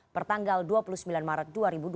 pertanggal dua puluh sembilan maret dua ribu dua puluh